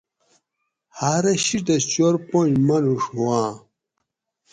ہاۤرہ شِیٹہ چور پنج مانوڛ ہواں